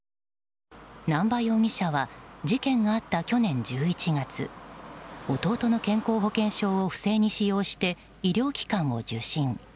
南波容疑者は事件があった去年１１月弟の健康保険証を不正に使用して医療機関を受診。